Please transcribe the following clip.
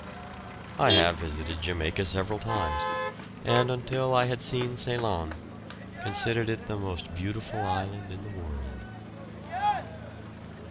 I have visited Jamaica several times, and until I had seen Ceylon, considered it the most beautiful island in the world.